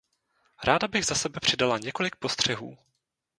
Ráda bych za sebe přidala několik postřehů.